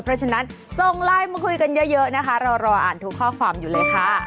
เพราะฉะนั้นส่งไลน์มาคุยกันเยอะนะคะเรารออ่านทุกข้อความอยู่เลยค่ะ